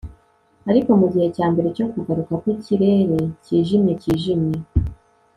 Ariko mugihe cyambere cyo kugaruka kwikirere cyijimye cyijimye